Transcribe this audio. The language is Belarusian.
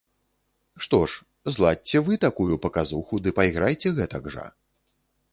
Што ж, зладзьце вы такую паказуху да пайграйце гэтак жа.